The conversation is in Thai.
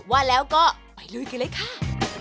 ว่าแล้วก็ไปลุยกันเลยค่ะ